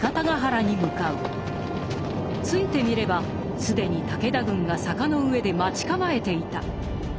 着いてみれば既に武田軍が坂の上で待ち構えていた。